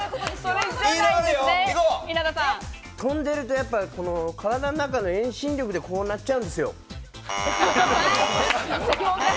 飛んでると、体の中の遠心力で、こうなっちゃうんですよ。